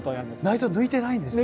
内臓を抜いてないんですね。